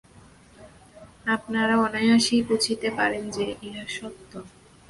আপনারা অনায়াসেই বুঝিতে পারেন যে, ইহা সত্য।